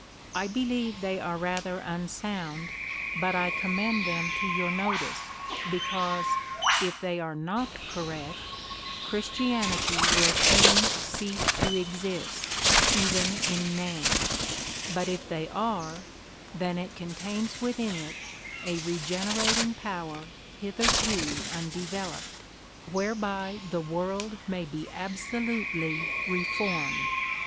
"I believe they are rather unsound, but I commend them to your notice, because, if they are not correct, Christianity will soon cease to exist, even in name; but if they are, then it contains within it a regenerating power hitherto undeveloped, whereby the world may be absolutely reformed.